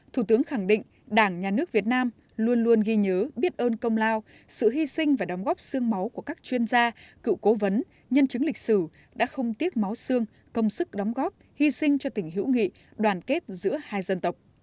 thủ tướng khẳng định đảng nhà nước việt nam luôn luôn ghi nhớ biết ơn công lao sự hy sinh và đóng góp xương máu của các chuyên gia cựu cố vấn nhân chứng lịch sử đã không tiếc máu xương công sức đóng góp hy sinh cho tình hữu nghị đoàn kết giữa hai dân tộc